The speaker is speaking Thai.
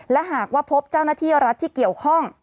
และหากว่าพบเจ้าหน้าที่รัฐที่เกี่ยวข้อง